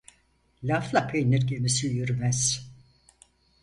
Lafla peynir gemisi yürümez.